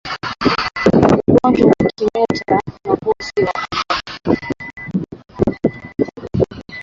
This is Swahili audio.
Ugonjwa wa kimeta kwa mbuzi na kondoo